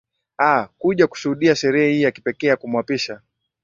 aa kuja kushuhudia sherehe hii ya kipekee ya kumwapisha